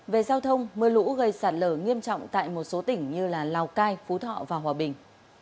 về giao thông mưa lũ gây sạt lở nghiêm trọng tại một số tỉnh như lào cai phú thọ và hòa bình